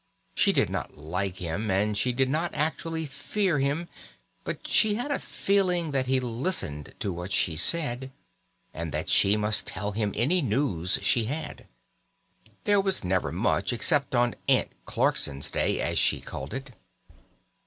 She did not like him and she did not actually fear him, but she had a feeling that he listened to what she said, and that she must tell him any news she had. There was never much except on "Aunt Clarkson's day", as she called it.